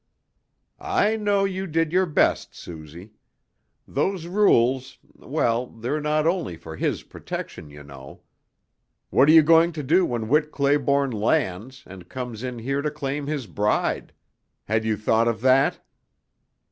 "I know you did your best, Suzy. Those rules, well, they're not only for his protection, you know. What are you going to do when Whit Clayborne lands, and comes in here to claim his bride? Had you thought of that?"